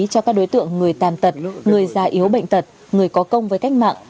cho các đối tượng người tàn tật người già yếu bệnh tật người có công với cách mạng